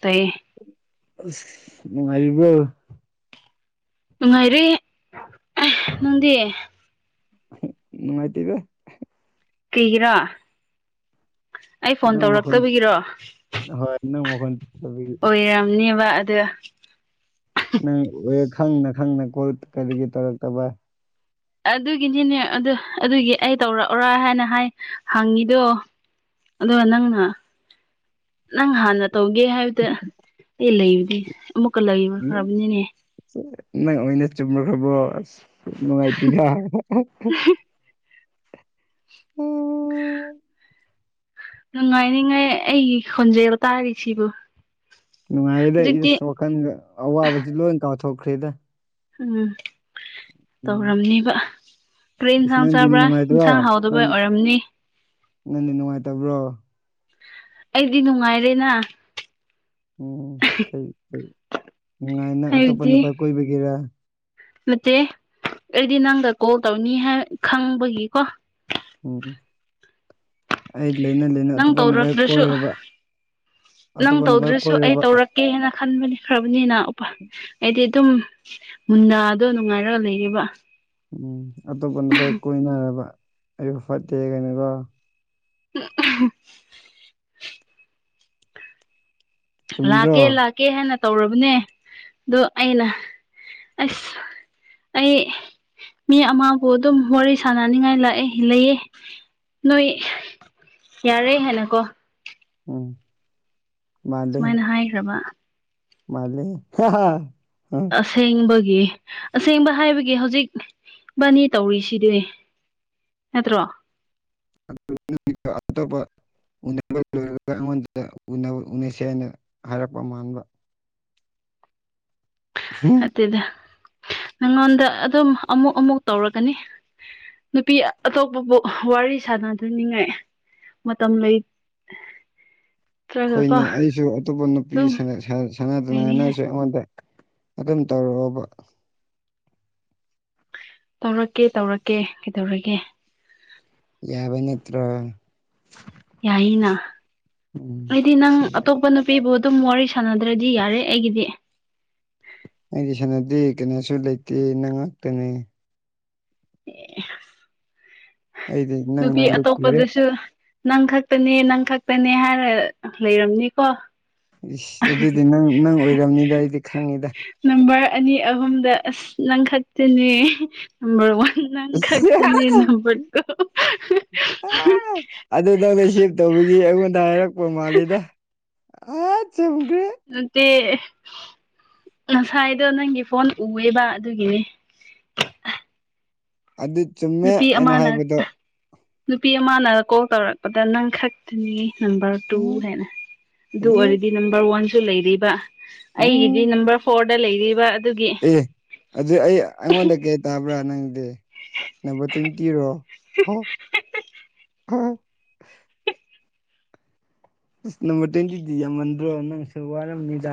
ꯇꯩ ꯅꯨꯉꯥꯏꯔꯤꯕꯣ ꯅꯨꯡꯉꯥꯏꯔꯦ ꯑꯦ ꯅꯪꯗꯤ ꯅꯨꯡꯃꯥꯏꯇꯗ ꯇꯤꯔꯥ ꯑꯩ ꯐꯣꯟ ꯅꯪ ꯃꯈꯣꯟ ꯇꯧꯔꯛꯇꯕꯤꯒꯤꯔꯣ ꯍꯣꯏ ꯅꯪ ꯃꯈꯣꯟ ꯇꯥꯗꯕꯒꯤ ꯑꯣꯏꯔꯝꯅꯦꯕ ꯑꯗ ꯅꯪ ꯈꯪꯅ ꯈꯪꯅ ꯀꯣꯜ ꯀꯔꯤꯒꯤ ꯇꯧꯔꯛꯇꯕ ꯑꯗꯨꯒꯤꯅꯤꯅꯦ ꯑꯗꯨ ꯑꯗꯨꯒꯤ ꯑꯩ ꯇꯧꯔꯛꯑꯣꯔ ꯍꯥꯏꯅ ꯍꯥꯏ ꯍꯪꯉꯤꯗꯣ ꯑꯗꯨꯒ ꯅꯪꯅ ꯅꯪ ꯍꯥꯟꯅ ꯇꯧꯒꯦ ꯍꯥꯏꯕꯗ ꯑꯩ ꯂꯩꯕꯗꯤ ꯑꯃꯨꯛꯀ ꯂꯩꯕ ꯈꯕꯅꯤꯅꯦ ꯅꯪ ꯑꯣꯏꯅ ꯆꯨꯝꯃꯨꯈ꯭ꯔꯕꯣ ꯑꯁ ꯅꯨꯡꯉꯥꯏꯇꯦꯗ ꯑꯣꯝ ꯅꯨꯡꯉꯥꯏꯅꯤꯉꯥꯏ ꯑꯩꯒꯤ ꯈꯣꯟꯖꯩꯕ ꯇꯥꯔꯤꯁꯤꯕꯨ ꯅꯨꯡꯉꯥꯏꯌꯦꯗ ꯍꯧꯖꯤꯛꯇꯤ ꯏꯁ ꯋꯥꯈꯜꯒ ꯑꯋꯥꯕꯁꯤ ꯂꯣꯏ ꯀꯥꯎꯊꯣꯛꯈ꯭ꯔꯦꯗ ꯎꯝ ꯎꯝ ꯇꯧꯔꯝꯅꯤꯕ ꯀꯔꯔꯤ ꯏꯁ ꯏꯟꯁꯥꯡ ꯅꯪꯗꯤ ꯆꯥꯕ꯭ꯔꯥ ꯅꯨꯡꯉꯥꯏꯇ꯭ꯔꯣ ꯏꯟꯁꯥꯡ ꯍꯥꯎꯗꯕ ꯑꯣꯏꯔꯝꯅꯤ ꯅꯪꯅꯦ ꯅꯨꯡꯉꯥꯏꯇꯕ꯭ꯔꯣ ꯑꯩꯗꯤ ꯅꯨꯡꯉꯥꯏꯔꯦꯅ ꯎꯝ ꯀꯔꯤ ꯀꯩ ꯅꯨꯡꯉꯥꯏꯅ ꯑꯇꯣꯞꯄ ꯍꯥꯏꯕꯗꯤ ꯅꯨꯄꯥ ꯀꯣꯏꯕꯒꯦꯔꯥ ꯅꯠꯇꯦ ꯑꯩꯗꯤ ꯅꯪꯒ ꯀꯣꯜ ꯇꯧꯅꯤ ꯈꯪꯕꯒꯤꯀꯣ ꯎꯝ ꯑꯩ ꯂꯩꯅ ꯂꯩꯅ ꯅꯪ ꯑꯇꯣꯞꯄꯅꯚꯦꯛ ꯇꯧꯔꯛꯇ꯭ꯔꯁꯨ ꯀꯣꯏꯔꯦꯕ ꯅꯪ ꯇꯧꯗ꯭ꯔꯁꯨ ꯑꯩ ꯇꯧꯔꯛꯀꯦꯅ ꯈꯟꯕꯅꯤꯈ꯭ꯔꯕꯅꯤꯅ ꯎꯄꯥ ꯑꯩꯗꯤ ꯑꯗꯨꯝ ꯃꯨꯟꯅꯗꯣ ꯅꯨꯡꯉꯥꯏꯔꯒ ꯂꯩꯔꯤꯕ ꯎꯝ ꯑꯇꯣꯞꯄ ꯅꯨꯄꯥ ꯀꯣꯏꯅꯔꯕ ꯑꯩꯁꯨ ꯐꯠꯇꯦ ꯍꯥꯒꯅꯨꯀꯣ ꯍ ꯑꯍꯝ ꯂꯥꯛꯀꯦ ꯆꯨꯝꯗ꯭ꯔꯣ ꯂꯥꯛꯀꯦ ꯍꯥꯏꯅ ꯇꯧꯔꯕꯅꯦ ꯑꯗꯣ ꯑꯩꯅ ꯑꯁ ꯑꯩ ꯃꯤ ꯑꯃꯕꯨ ꯑꯗꯨꯝ ꯋꯥꯔꯤ ꯁꯥꯟꯅꯅꯤꯡꯉꯥꯏ ꯂꯥꯛꯑꯦ ꯂꯩꯌꯦ ꯅꯣꯏ ꯌꯥꯔꯦ ꯍꯥꯏꯅꯀꯣ ꯎꯝ ꯁꯨꯃꯥꯏꯅ ꯍꯥꯏꯈ꯭ꯔꯕ ꯃꯥ ꯍꯦ ꯍꯥ [unintelligible] ꯑꯁꯦꯡꯕꯒꯤ ꯑꯁꯦꯡꯕ ꯍꯥꯏꯕꯒꯤ ꯍꯧꯖꯤꯛ ꯕꯥꯅꯤ ꯇꯧꯔꯤꯁꯤꯗꯤ ꯅꯠꯇ꯭ꯔꯣ ꯑꯣ ꯎꯅꯕ ꯂꯣꯏꯔꯒ ꯑꯩꯉꯣꯟꯗ ꯎꯅꯁꯦ ꯍꯥꯏꯅ ꯍꯥꯏꯔꯛꯄ ꯃꯥꯟꯕ ꯑꯗꯨꯗꯤ ꯅꯪꯉꯣꯟꯗ ꯑꯗꯨꯝ ꯑꯃꯨꯛ ꯑꯃꯨꯛ ꯇꯧꯔꯒꯅꯤ ꯅꯨꯄꯤ ꯑꯇꯣꯞꯄꯕꯨ ꯋꯥꯔꯤ ꯁꯥꯟꯅꯗꯅꯤꯡꯉꯥꯏ ꯃꯇꯝ ꯂꯩ [inaudible] ꯑꯩꯈꯣꯏꯅꯦ ꯑꯩꯁꯨ ꯑꯇꯣꯞꯄ ꯅꯨꯄꯤ ꯑꯗꯨꯝ ꯂꯩꯅꯤꯡꯉꯥꯏ ꯁꯥꯟꯅꯗꯅꯅꯁꯨ ꯑꯩꯉꯣꯟꯗ ꯑꯗꯨꯝ ꯇꯧꯔꯛꯑꯣꯕ ꯇꯧꯔꯛꯀꯦ ꯇꯧꯔꯛꯀꯦ ꯀꯩꯗꯧꯔꯒꯦ ꯌꯥꯕꯅꯠꯇ ꯌꯥꯏꯅ ꯎꯝ ꯍꯥꯏꯗꯤ ꯅꯪ ꯁꯤ ꯑꯇꯣꯞꯄꯅ ꯅꯨꯄꯤꯕꯨ ꯑꯗꯨꯝ ꯋꯥꯔꯤ ꯁꯥꯟꯅꯗ꯭ꯔꯗꯤ ꯌꯥꯔꯦ ꯑꯩꯒꯤꯗꯤ ꯑꯩꯗꯤ ꯁꯥꯟꯅꯗꯦ ꯀꯩꯅꯣꯁꯨ ꯂꯩꯇꯦ ꯅꯪ ꯉꯥꯛꯇꯅꯤ ꯑꯦ ꯑꯩꯗꯤ ꯅꯪ ꯅꯨꯄꯤ ꯉꯥꯏꯕ ꯀꯨꯏꯔꯦ ꯑꯇꯣꯞꯄꯗꯁꯨ ꯅꯪ ꯈꯛꯇꯅꯦ ꯅꯪ ꯈꯛꯇꯅꯦ ꯍꯥꯏꯔ ꯂꯩꯔꯝꯅꯤꯀꯣ ꯏꯁ ꯑꯗꯨꯗꯤ ꯅꯪ ꯅꯪ ꯑꯣꯏꯔꯕꯝꯅꯤꯗ ꯑꯩꯗꯤ ꯈꯪꯉꯤꯗ ꯅꯝꯕꯔ ꯑꯅꯤ ꯑꯍꯨꯝꯗ ꯑꯁ ꯅꯪꯈꯠꯇꯅꯦ ꯅ ꯋꯥꯟꯪ ꯏꯁ ꯀꯥꯛꯇꯅꯤ ꯅ ꯄꯠꯇꯣ ꯑꯗꯨ ꯅꯪꯅ ꯁꯦꯞ ꯇꯧꯕꯒꯤ ꯑꯩꯉꯣꯟꯗ ꯍꯥꯏꯔꯛꯄ ꯃꯥꯂꯦꯗ ꯆꯨꯝꯒ꯭ꯔꯦ ꯅꯠꯇꯦ ꯉꯁꯥꯏꯗꯣ ꯅꯪꯒꯤ ꯐꯣꯟ ꯎꯑꯦꯕ ꯑꯗꯨꯒꯤꯅꯤ ꯑꯗꯨ ꯆꯨꯝꯃꯦ ꯅꯨꯄꯤ ꯑꯩꯅ ꯑꯃꯅ ꯍꯥꯏꯕꯗꯣ ꯅꯨꯄꯤ ꯑꯃꯅ ꯀꯣꯜ ꯇꯧꯔꯛꯄꯗ ꯅꯪ ꯈꯛꯇꯅꯤ ꯅꯝꯕꯔ ꯇꯨ ꯎꯝ ꯍꯥꯏꯦꯟꯅ ꯑꯗꯨ ꯑꯣꯏꯔꯗꯤ ꯅꯝꯕꯔ ꯋꯥꯟꯁꯨ ꯂꯩꯔꯤꯕ ꯑꯩꯒꯤꯗꯤ ꯎꯝ ꯅꯝꯕꯔ ꯐꯣꯔꯗ ꯂꯩꯔꯤꯕ ꯑꯗꯨꯒꯤ ꯑꯦ ꯑꯗꯨ ꯑꯩ ꯑꯩꯉꯣꯟꯗ ꯀꯩ ꯇꯥꯕ꯭ꯔꯥ ꯅꯪꯗꯤ ꯅꯝꯕꯔ ꯇ꯭ꯋꯦꯟꯇꯤꯔꯣ ꯑꯣ ꯑꯝ ꯅ ꯇ ꯌꯦꯖꯗꯤ ꯌꯃꯟꯣ ꯅꯪ ꯁꯨꯕꯔꯅꯤꯗꯥ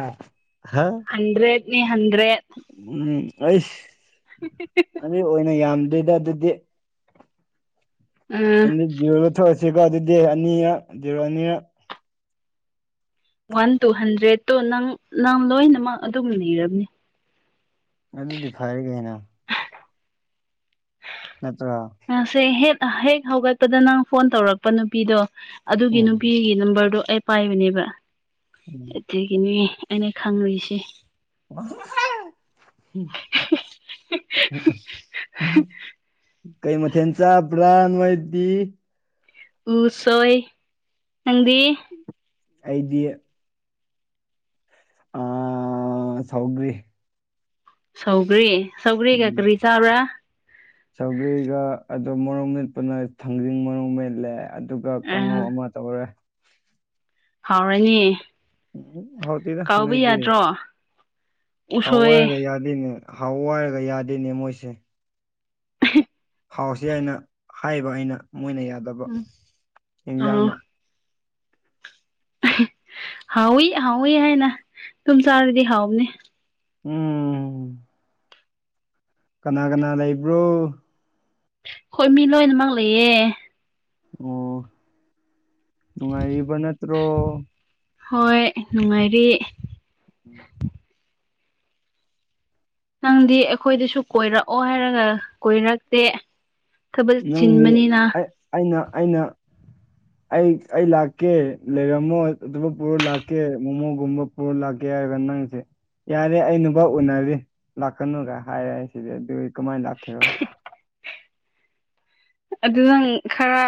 ꯍꯥ ꯍꯟꯗ꯭ꯔꯦꯠꯅꯤ ꯍꯟꯗ꯭ꯔꯦꯠ ꯎꯝ ꯑꯩꯁ ꯑ ꯑꯣꯏꯅ ꯌꯥꯝꯗ꯭ꯔꯣꯏꯗ ꯑꯗꯨꯗꯤ ꯎꯝ ꯑꯗꯨꯗꯤ ꯖꯤꯔꯣ ꯂꯧꯊꯣꯛꯑꯁꯤꯀꯣ ꯑꯗꯨꯗꯤ ꯑꯅꯤꯔꯛ ꯖꯤꯔꯣ ꯑꯅꯤꯔ ꯋꯥꯟ ꯇꯨ ꯍꯟꯗ꯭ꯔꯦꯗꯠꯇꯣ ꯅꯪ ꯅꯪ ꯂꯣꯏꯅꯃꯛ ꯑꯗꯨꯝ ꯂꯩꯔꯕꯅꯤ ꯑꯗꯨꯗꯤ ꯐꯔꯦꯒꯩꯅꫭ ꯅꯠꯇ꯭ꯔꯥ ꯁꯦ ꯍꯦꯛ ꯍꯦꯛ ꯍꯧꯒꯠꯄꯗ ꯅꯪ ꯐꯣꯟ ꯇꯧꯔꯛꯄ ꯅꯨꯄꯤꯗꯣ ꯑꯗꯨꯒꯤ ꯎꯝ ꯅꯨꯄꯤꯒꯤ ꯅꯝꯕꯔꯗꯣ ꯑꯩ ꯄꯥꯏꯕꯅꯦꯕ ꯑꯗꯒꯤꯅꯤ ꯑꯩꯅ ꯈꯪꯔꯤꯁꯦ [inaudible] ꯀꯩ ꯃꯊꯦꯟ ꯆ ꯄ꯭ꯔꯥꯥꯟ ꯃꯩꯇꯗꯤ ꯎꯁꯣꯏ ꯅꯪꯗꯤ ꯑꯩꯗꯤ ꯑ ꯁꯧꯒ꯭ꯔꯤ ꯁꯧꯒ꯭ꯔꯤ ꯁꯧꯒ꯭ꯔꯤꯒ ꯀꯔꯤ ꯆꯥꯕ꯭ꯔꯥ ꯆꯧꯒ꯭ꯔꯤꯒ ꯑꯗꯨꯝ ꯃꯔꯣꯛ ꯃꯦꯠꯄꯅꯦ ꯊꯥꯡꯖꯤꯡ ꯃꯔꯨꯝ ꯃꯦꯠꯂꯦ ꯑꯗꯨꯒ ꯑ ꯀꯥꯡꯉꯧ ꯑꯃ ꯇꯦ ꯍꯥꯎꯔꯅꯤ ꯎꯝ ꯍꯥꯎꯇꯤꯗ ꯀꯥꯎꯕ ꯅꯣꯏꯗꯤ ꯌꯥꯗ꯭ꯔꯣ ꯎꯁꯣꯏ ꯍꯥꯎꯋꯥꯏꯔꯒ ꯌꯥꯗꯦꯅꯦ ꯍꯥꯎꯋꯥꯏꯔꯒ ꯌꯥꯗꯣꯏꯅꯦ ꯃꯣꯏꯁꯦ ꯑꯍꯦ ꯊꯥꯎꯁꯤ ꯍꯥꯏꯅ ꯍꯥꯏꯕ ꯑꯩꯅ ꯃꯣꯏꯅ ꯌꯥꯗꯕ ꯎꯝ ꯑꯣ ꯑꯦꯟꯁꯥꯡꯅ ꯍꯥꯎꯏꯤ ꯍꯥꯎꯏꯤ ꯍꯥꯏꯅ ꯇꯨꯝ ꯆꯥꯗꯗꯤ ꯍꯥꯎꯅꯤ ꯎꯝ ꯀꯅꯥ ꯀꯅꯥ ꯂꯩꯕ꯭ꯔꯣ ꯍꯣꯏ ꯃꯤ ꯂꯣꯏꯅꯃꯛ ꯂꯩꯌꯦꯦ ꯑꯣ ꯅꯨꯡꯉꯥꯏꯕ ꯅꯠꯇ꯭ꯔꯣ ꯍꯣꯏ ꯅꯨꯡꯉꯥꯏꯔꯤ ꯎꯝ ꯅꯪꯗꯤ ꯑꯩꯈꯣꯏꯗꯁꯨ ꯀꯣꯏꯔꯛꯑꯣ ꯍꯥꯏꯔꯒ ꯀꯣꯏꯔꯛꯇꯦ ꯊꯕꯛ ꯅꯪꯗꯤ ꯆꯤꯟꯕꯅꯤꯅ ꯑꯩꯅ ꯑꯩꯅ [inaudible] ꯑꯩ ꯑꯩ ꯂꯥꯛꯀꯦ ꯂꯩꯔꯝꯃꯣ ꯑꯇꯣꯞꯄ ꯄꯨꯔꯣ ꯂꯥꯛꯀꯦ ꯃꯣꯃꯣꯒꯨꯝꯕ ꯍꯣꯔ ꯂꯥꯛꯀꯦ ꯍꯥꯏꯕ ꯅꯪꯁꯦ ꯌꯥꯔꯦ ꯑꯩ ꯅꯨꯄꯥ ꯎꯅꯔꯤ ꯂꯥꯛꯀꯅꯨꯒ ꯍꯥꯏꯔꯦ ꯑꯩꯁꯦ ꯑꯗꯨ ꯀꯃꯥꯏ ꯂꯥꯛꯀꯦꯔꯣ ꯑꯗꯨ ꯅꯪ ꯈꯔ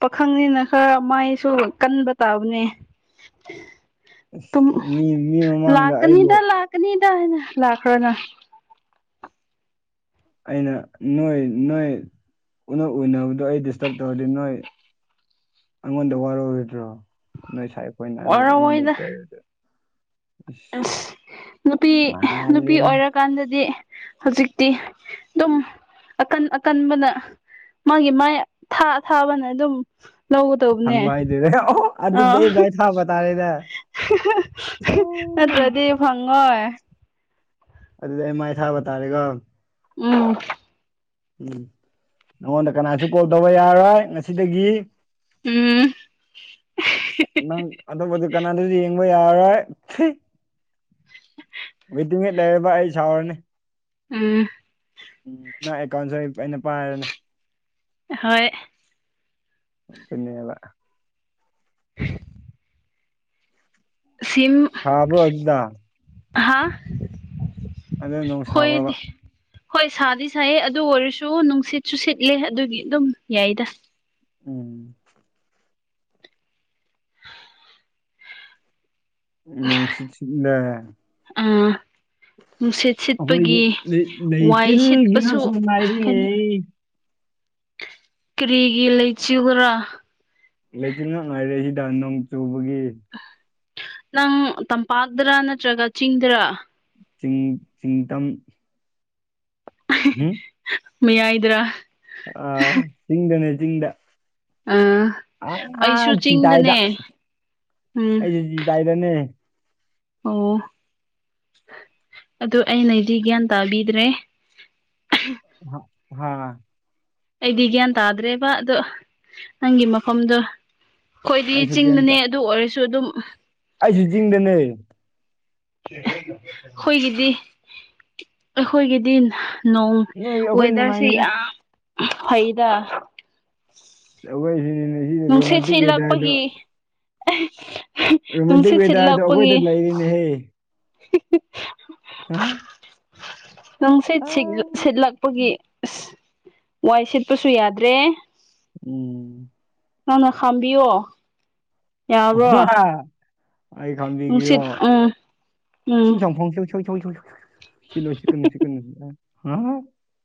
ꯄꯥꯈꯪꯅꯤꯅ ꯈꯔ ꯃꯥꯏꯁꯨ ꯀꯟꯕ ꯇꯥꯕꯅꯦ ꯇꯨꯝ ꯃꯤ ꯃꯤ ꯃꯃꯥꯡꯗ ꯑꯩꯕꯨ ꯂꯥꯛꯀꯅꯤꯗ ꯂꯥꯛꯀꯅꯤꯗ ꯂꯥꯛꯈ꯭ꯔꫭꯅ ꯑꯩꯅ ꯅꯣꯏ ꯅꯣꯏ ꯎꯅ ꯎꯅꯕꯗꯣ ꯑꯩ ꯗꯤꯁꯇꯔꯕ ꯇꯧꯔꯗꯤ ꯅꯣꯏ ꯑꯩꯉꯣꯟꯗ ꯋꯥꯔꯔꯣꯏꯗ꯭ꯔꯣ ꯅꯣꯏ ꯁꯥꯦ ꯐꯣꯏꯅꯥ ꯃꯔ ꯋꯥꯔꯝꯃꯣꯏꯗ ꯆ ꯑ ꯅꯨꯄꯤ ꯃꯥꯜꯂꯤ ꯅꯨꯄꯤ ꯑꯣꯏꯔ ꯀꯥꯟꯗꯗꯤ ꯍꯧꯖꯤꯛꯇꯤ ꯑꯗꯨꯝ ꯑꯀꯟ ꯑꯀꯟꯕꯅ ꯃꯥꯒꯤ ꯃꯥꯥꯏ ꯊꯥ ꯊꯥꯕꯅ ꯑꯗꯨꯝ ꯂꯧꯒꯗꯧꯕꯅꯦ ꯍꯪꯕ ꯍꯥꯏꯗꯨꯔꯦ ꯑꯣ ꯑꯗꯨꯗꯤ ꯑꯩ ꯚꯥꯏ ꯊꯥꯕ ꯇꯥꯔꯦꯅꯦ ꯑꯣ ꯅꯠꯇꯗꯤ ꯐꯪꯉꯣꯏ ꯑꯗꯨꯗꯤ ꯑꯩ ꯃꯥꯏ ꯊꯥꯕ ꯇꯥꯔꯦꯒꯣ ꯎꯝ ꯎꯝ ꯅꯪꯉꯣꯟꯗ ꯀꯅꯥꯁꯨ ꯀꯣꯜ ꯇꯧꯕ ꯌꯥꯔꯣꯏ ꯉꯁꯤꯗꯒꯤ ꯎꯝ ꯅꯪ ꯑꯇꯣꯞꯄꯗꯨ ꯀꯅꯥꯗꯨꯁꯨ ꯌꯦꯡꯕ ꯌꯥꯔꯣꯏ ꯋꯤꯗꯤꯠ ꯂꯩꯕ ꯑꯩ ꯁꯥꯎꯔꯅꯤ ꯎꯝ ꯎꯝ ꯅꯪ ꯑꯦꯀꯥꯎꯟꯁꯨ ꯑꯩꯅ ꯄꯥꯏꯔꯅꯦ ꯍꯣꯏ ꯑꯗꯨꯅꯦꯕ ꯁꯤꯝ ꯍꯥꯕ꯭ꯔꯣ ꯑꯗꯨꯗ ꯍꯥꯥ ꯑꯗꯨ ꯅꯣꯡ ꯁꯥꯕ꯭ꯔꯕ ꯍꯣꯏꯗꯤ ꯍꯣꯏ ꯁꯥꯗꯤ ꯁꯥꯏꯌꯦ ꯑꯗꯨ ꯑꯣꯏꯔꯁꯨ ꯅꯨꯡꯁꯤꯠꯁꯨ ꯁꯤꯠꯂꯦ ꯑꯗꯨꯒꯤ ꯑꯗꯨꯝ ꯌꯥꯏꯗ ꯎꯝ ꯅꯨꯡꯁꯤꯤꯁꯤꯂꯦ ꯑꯥ ꯅꯨꯡꯁꯤꯠ ꯑꯩꯈꯣꯏꯗꯤ ꯁꯤꯠꯄꯒꯤ ꯂꯩ ꯋꯥꯏ ꯂꯩꯆꯤꯜꯒꯤ ꯁꯤꯠꯄꯁꯨ ꯉꯥꯛꯇ ꯉꯥꯏꯔꯤꯅꯦ ꯀꯩꯅꯣ ꯀꯔꯤꯒꯤ ꯂꯩꯆꯤꯒ꯭ꯔꯥ ꯂꯩꯆꯤꯟꯅ ꯉꯥꯏꯔꯦ ꯍꯤꯗꯥꯛ ꯅꯣꯡ ꯆꯨꯕꯒꯤ ꯅꯪ ꯇꯝꯄꯥꯛꯇꯔꯥ ꯅꯠꯇ꯭ꯔꯒ ꯆꯤꯡꯗꯔ ꯆꯤꯡ ꯆꯤꯡꯇꯝ ꯍꯨꯝ ꯃꯌꯥꯏꯗ꯭ꯔꯥ ꯑꯥ ꯆꯤꯡꯗꯅꯦ ꯆꯤꯡꯗ ꯑꯥ ꯑꯩꯁꯨ ꯆꯤꯗꯥꯏꯗ ꯆꯤꯡꯗꯅꯦ ꯎꯝ ꯑꯩꯁꯨ ꯆꯤꯗꯥꯏꯗꯅꯦ ꯑꯣ ꯑꯗꯨ ꯑꯩꯅꯗꯤ ꯒ꯭ꯌꯥꯟ ꯇꯥꯕꯤꯗ꯭ꯔꯦ ꯍ ꯑꯩꯗꯤ ꯒ꯭ꯌꯥꯟ ꯇꯥꯗ꯭ꯔꯦꯕ ꯑꯗꯣ ꯅꯪꯒꯤ ꯃꯐꯝꯗꯣ ꯑꯩꯈꯣꯏꯗꯤ ꯑꯩꯁꯨ ꯆꯤꯡꯗꯅꯦ ꯀꯩꯝꯇ ꯑꯗꯨ ꯑꯣꯏꯔꯁꯨ ꯑꯗꯨꯝ ꯑꯩꯁꯨ ꯆꯤꯡꯗꯅꯦ ꯑꯩꯈꯣꯏꯒꯤꯗꯤ ꯑꯩꯈꯣꯏꯒꯤꯗꯤ ꯅꯣꯡ ꯅꯣꯏ ꯑꯩꯈꯣꯏ ꯋꯦꯗꯔꯁꯦ ꯅꯨꯡꯉꯥꯏꯅꯤꯅ ꯌꯥꯝ ꯐꯩꯗ ꯂꯣꯏꯔꯦ ꯅꯨꯡꯁꯤꯠ ꯁꯤꯠꯂꯛꯄꯒꯤ ꯔꯣꯃꯥꯟꯇꯤꯛ ꯅꯨꯡꯁꯤꯠ ꯁꯤꯠ ꯋꯦꯗꯔꯗꯣ ꯂꯥꯛꯄꯒꯤ ꯑꯩꯈꯣꯏꯗ ꯂꯩꯔꯤꯅꯦꯍꯦ ꯍꯦ ꯅꯨꯡꯁꯤꯠ ꯁꯤꯠꯂꯛꯄꯒꯤ ꯑ ꯋꯥꯏ ꯁꯤꯠꯄꯁꯨ ꯌꯥꯗ꯭ꯔꯦ ꯎꯝ ꯅꯪꯅ ꯈꯥꯝꯕꯤꯌꯣ ꯌꯥꯕ꯭ꯔꯣ ꯑꯩ ꯈꯪꯕꯤꯒꯤꯔꯣ ꯅꯨꯡꯁꯤꯠ ꯎꯝ ꯎꯝ ꯏꯁꯤꯡ ꯆꯪꯐꯝ ꯆ [unintelligible] ꯁꯤꯂꯁꯤ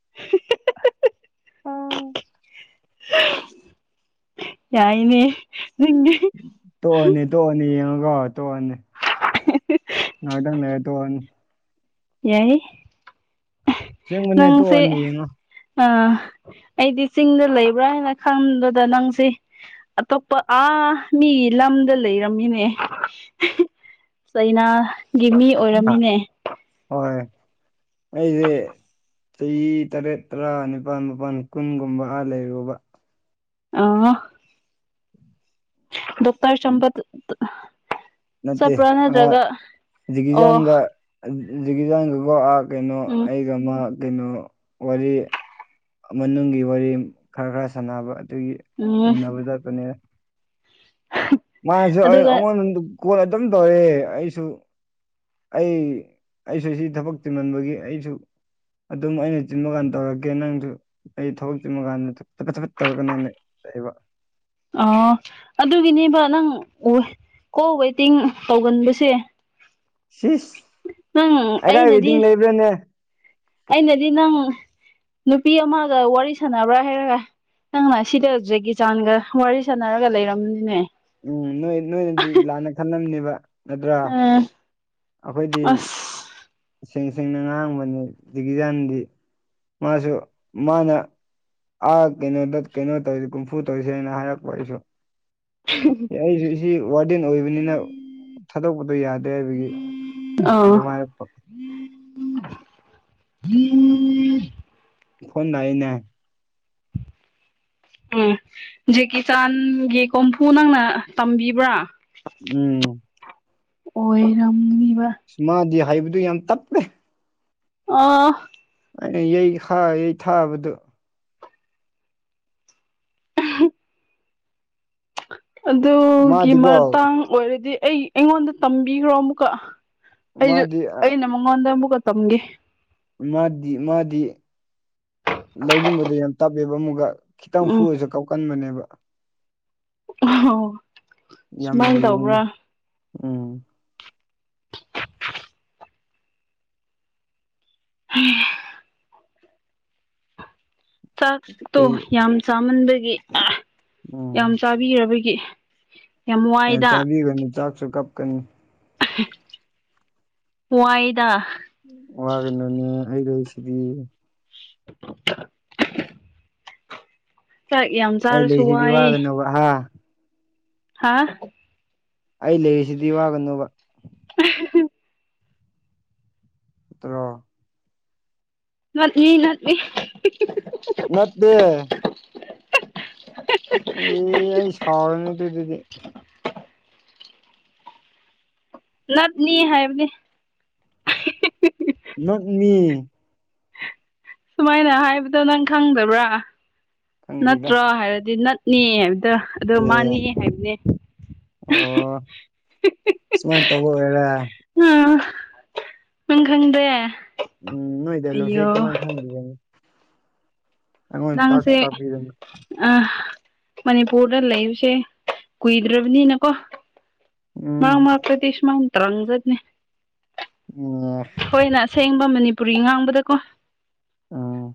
[inaudible] ꯌꯥꯏꯅꯦ ꯅꯤꯡꯪ ꯇꯣꯛꯑꯅꯤ ꯇꯣꯛꯑꯅꯤ ꯌꯦꯡꯉꫭꯒꫭ ꯇꯣꯛꯑꯅꯤ ꯉꯥꯏꯍꯥꯛꯇꯪ ꯂꯩꯔ ꯇꯣꯛꯑꯅꯤ ꯌꯥꯏꯍꯦ ꯑꯁꯦꯡꯕꯅꯦ ꯅꯪꯁꯦ ꯇꯣꯛꯑꯅꯤ ꯌꯦꯡꯉꯣ ꯑꯥ ꯑꯩꯗꯤ ꯆꯤꯡꯗ ꯂꯩꯕ꯭ꯔꯥ ꯍꯥꯏꯅ ꯈꯪꯕꯗ ꯅꯪꯁꯦ ꯑꯇꯣꯞꯄ ꯑꯥ ꯃꯤꯒꯤ ꯂꯝꯗ ꯂꯩꯔꯝꯃꯤꯅꯦ ꯆꯩꯅꯥꯒꯤ ꯃꯤ ꯑꯣꯏꯔꯝꯃꯤꯅꯦ ꯍꯣꯏ ꯑꯩꯁꯦ ꯆꯍꯤ ꯇꯔꯦꯠ ꯇꯔꯥ ꯅꯤꯄꯥꯜ ꯃꯄꯜ ꯀꯨꯟꯒꯨꯝꯕ ꯑ ꯂꯩꯔꯨꯕ ꯑ ꯗꯣꯛꯣꯛꯇꯔ ꯆꯝꯕ ꯅꯠꯇꯦ ꯆꯠꯄ꯭ꯔꯥ ꯑ ꯅꯠꯇ꯭ꯔꯒ ꯑꯣ ꯖꯩꯒꯤꯖꯥꯟꯒ ꯖꯤꯒꯤꯖꯟꯒꯒꯣꯛ ꯀꯩꯅꯣ ꯎꯝ ꯑꯩꯒ ꯑꯃ ꯀꯩꯅꯣ ꯋꯥꯔꯤ ꯃꯅꯨꯡꯒꯤ ꯋꯥꯔꯤ ꯈꯔ ꯈꯔ ꯁꯥꯟꯅꯕ ꯑꯗꯨꯒꯤ ꯎꯝ ꯎꯅꯕꯗꯅꯦ ꯃꯥꯁꯨ ꯑꯩ ꯑꯗꯨꯒ ꯑꯩꯉꯣꯟꯗ ꯀꯣꯜ ꯑꯗꯨꯝ ꯇꯧꯔꯦ ꯑꯩꯁꯨ ꯑꯩ ꯑꯩꯁꯨ ꯁꯤ ꯊꯕꯛ ꯇꯤꯟꯃꯟꯕꯒꯤ ꯑꯩꯁꯨ ꯑꯗꯨꯝ ꯑꯩꯅ ꯆꯤꯟꯕ ꯀꯥꯟ ꯇꯧꯔꯛꯀꯦ ꯅꯪꯗꯨ ꯑꯩ ꯊꯕꯛꯇꯤꯃ ꯀꯥꯟꯗ ꯊꯐꯠ ꯊꯐꯠ ꯇꯧꯔꯒꯅ ꯑꯩꯅ ꯂꯩꯕ ꯑꯣ ꯑꯗꯨꯒꯤꯅꯦꯕ ꯅꯪ ꯀꯣꯜ ꯋꯦꯇꯤꯡ ꯇꯧꯒꯟꯕꯁꯦ ꯁꯤꯁ ꯅꯪ ꯑꯩꯀꯥꯏ ꯑꯩꯅꯗꯤ ꯋꯦꯗꯤꯡ ꯂꯩꯕ꯭ꯔꯥꯅꯦ ꯑꯩꯅꯗꯤ ꯅꯪ ꯅꯨꯄꯤ ꯑꯃꯒ ꯋꯥꯔꯤ ꯁꯥꯟꯅꯕ꯭ꯔꯥ ꯍꯥꯏꯔꯒ ꯅꯪꯅ ꯑꯁꯤꯗ ꯖꯦꯒꯤꯆꯥꯟꯒ ꯋꯥꯔꯤ ꯁꯥꯟꯅꯔꯒ ꯂꯩꯔꯝꯅꯤꯅꯦ ꯎꯝ ꯅꯣꯏ ꯅꯣꯏꯅꯗꯤ ꯂꯥꯟꯅ ꯈꯜꯂꯝꯅꯦꯕ ꯅꯠꯇ꯭ꯔꯥ ꯎꯝ ꯑꯩꯈꯣꯏꯗꯤ ꯑꯁ ꯁꯦꯡ ꯁꯦꯡꯅ ꯉꯥꯡꯕꯅꯤ ꯖꯤꯀꯤꯖꯥꯟꯗꯤ ꯃꯥꯁꯨ ꯃꯥꯅ ꯑꯥ ꯀꯩꯅꯣꯗ ꯀꯩꯅꯣ ꯇꯧꯔꯤꯁ ꯀꯨꯝꯐꯨ ꯇꯧꯔꯤꯁꯦꯅ ꯍꯥꯏꯔꯛꯄ ꯑꯩꯁꯨ ꯑꯦ ꯑꯩꯁꯨ ꯁꯤ ꯋꯥꯔꯗꯦꯟ ꯑꯣꯏꯕꯅꯤꯅ ꯊꯥꯗꯣꯛꯄꯗꯣ ꯌꯥꯗꯦ ꯍꯥꯏꯕꯒꯤ ꯑꯗꯨꯝ ꯍꯥꯏꯔꯛꯄ ꯑꯣ ꯐꯣꯟꯗꯥꯏꯅꯦ ꯎꯝ ꯖꯦꯀꯤꯆꯥꯟꯒꯤ ꯀꯣꯝꯐꯨ ꯅꯪꯅ ꯇꯝꯕꯤꯕ꯭ꯔꯥ ꯎꯝ ꯑꯣꯏꯔꯝꯅꯤꯕ ꯃꯥꯗꯤ ꯍꯥꯏꯕꯗꯨ ꯌꯥꯝ ꯇꯞꯄꯦ ꯑꯥ ꯑꯩꯅ ꯌꯩꯥ ꯌꯩ ꯊꯥꯕꯗꯨ ꯑꯗꯨꯒꯤ ꯃꯥꯗꯤꯀꯣ ꯃꯇꯥꯡ ꯑꯣꯏꯔꯗꯤ ꯑꯩ ꯑꯩꯉꯣꯟꯗ ꯇꯝꯕꯤꯈ꯭ꯔꯣ ꯑꯃꯨꯛꯀ ꯑꯩꯁꯨ ꯃꯥꯗꯤ ꯑꯩꯅ ꯃꯉꯣꯟꯗ ꯑꯃꯨꯛꯀ ꯇꯝꯒꯦ ꯃꯥꯗꯤ ꯃꯥꯗꯤ ꯂꯧꯖꯅꯤꯡꯕꯗ ꯌꯥꯝ ꯇꯞꯑꯦꯕ ꯑꯃꯨꯛꯒ ꯈꯤꯇꯪ ꯎꯝ ꯐꯨꯨꯔꯁꯨ ꯀꯥꯎꯀꯟꯕꯅꯦꯕ ꯑꯣꯍꯣ ꯌꯥꯝ ꯂꯨꯅ ꯎꯝ [inaudible] ꯆꯥꯛꯇꯣ ꯑꯩ ꯌꯥꯝ ꯆꯥꯃꯟꯕꯒꯤ ꯎꯝ ꯌꯥꯝ ꯆꯥꯕꯤꯔꯕꯒꯤ ꯌꯥꯝ ꯑꯦ ꯋꯥꯏꯗ ꯆꯥꯕꯤꯒꯅꯨ ꯆꯥꯛꯁꯨ ꯀꯞꯀꯅꯤ ꯋꯥꯏꯗ ꯋꯥꯒꯅꯨꯅꯦ ꯑꯩ ꯂꯩꯁꯤꯗꯤ [inaudible] ꯆꯥꯛ ꯌꯥꯝ ꯑ ꯆꯥꯔꯁꯨ ꯂꯩ ꯁꯤꯗꯤ ꯋꯥꯒꯅꯣ ꯍꯥ ꯍꯥꯥ ꯑꯩ ꯂꯩꯔꯤꯁꯤꯗꯤ ꯋꯥꯒꯅꯨꯕꯥ ꯍꯥ ꯍꯥ ꯅꯇꯔꫭ ꯅꯠꯂꯤ ꯅꯠꯂꯤ ꯍꯥ ꯍꯥ ꯍꯥ ꯅꯠꯇꯦ ꯑꯦ ꯑꯩ ꯁꯥꯎꯔꯅꯤ ꯇꯨꯗꯤ ꯅꯠꯅꯤ ꯍꯥꯏꯕꯅꯤ ꯅꯥꯠꯂꯤ ꯁꯨꯃꯥꯏꯅ ꯍꯥꯏꯕꯗꯣ ꯅꯪ ꯈꯪꯗꯕ꯭ꯔꯥ ꯈꯪꯗꯦꯗ ꯅꯠꯇ꯭ꯔꯣ ꯍꯥꯏꯔꯗꯤ ꯅꯥꯠ ꯂꯤ ꯍꯥꯏꯕꯗꯤ ꯑꯗꯣ ꯑꯦ ꯃꯥꯅꯦ ꯍꯥꯏꯕꯅꯦ ꯑꯣ ꯁꯨꯃꯥꯏꯅ ꯇꯧꯕ ꯑꫭꯏꯔꯦ ꯎꯝ ꯅꯪ ꯈꯪꯗ꯭ꯔꯦ ꯎꯝ ꯅꯣꯏ ꯗꯥꯏꯂꫭꯛꯁꯦ ꯑꯩ ꯀꯃꯥꯏ ꯈꯪꯗꫭꯏꯕ ꯅꯪꯁꯦ ꯇꯥꯛꯄꯤꯗꯅ ꯃꯅꯤꯄꯨꯔꯗ ꯂꯩꯕꯁꯦ ꯀꯨꯏꯗ꯭ꯔꯤꯕꯅꯤꯅꯀꯣ ꯎꯝ ꯃꯥꯔꯛ ꯇꯗꯤ ꯁꯨꯃꯥꯏ ꯊꯧꯔꯝꯗꯥꯏꯅꯤ ꯎꯨꯝ ꯑꯩꯈꯣꯏꯅ ꯑꯁꯦꯡꯕ ꯃꯅꯤꯄꯨꯔꯤ ꯉꯥꯡꯕꯗꯀꯣ ꯎꯝ